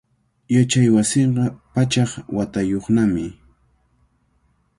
Yachaywasinqa pachak watayuqnami.